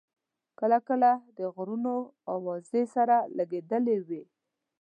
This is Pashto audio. کله کله د غرونو اوږې سره لګېدلې وې.